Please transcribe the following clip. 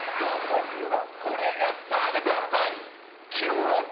これ、澤部さん